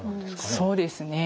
そうですね